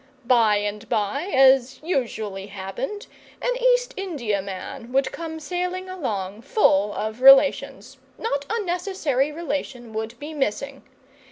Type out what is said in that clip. By and by, as usually happened, an East Indiaman would come sailing along full of relations not a necessary relation would be missing.